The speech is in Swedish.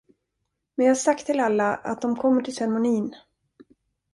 Men jag har sagt till alla att de kommer till ceremonin.